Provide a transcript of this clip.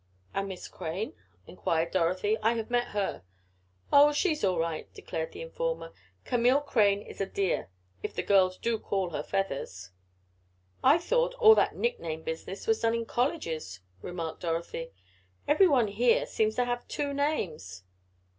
"And Miss Crane?" inquired Dorothy. "I have met her." "Oh, she's all right," declared the informer. "Camille Crane is a dear if the girls do call her Feathers." "I thought all that nick name business was done in colleges," remarked Dorothy. "Every one here seems to have two names."